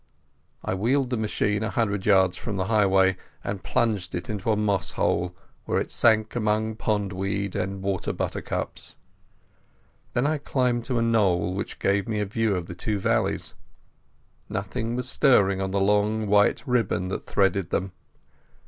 I wheeled the machine a hundred yards from the highway, and plunged it into a moss hole, where it sank among pond weed and water buttercups. Then I climbed to a knoll which gave me a view of the two valleys. Nothing was stirring on the long white ribbon that threaded them.